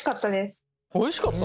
おいしかった。